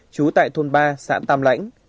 chú tại thôn ba xã tàm lãnh